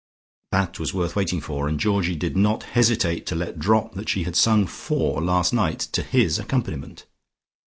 That was worth waiting for, and Georgie did not hesitate to let drop that she had sung four last night to his accompaniment.